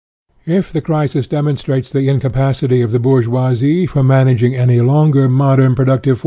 If the crisis demonstrate the incapacity of the bourgeoisie for managing any longer 1 1 say " have to."